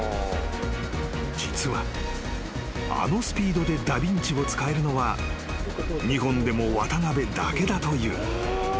［実はあのスピードでダビンチを使えるのは日本でも渡邊だけだという］